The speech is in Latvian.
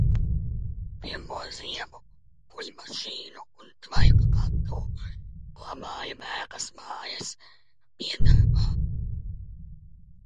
Pirmo ziemu kuļmašīnu un tvaika katlu glabāja Bēkas mājas piedarbā.